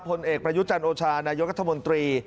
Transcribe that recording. พลเอกประยุทธ์จันทร์โอชานายกัษมนตรี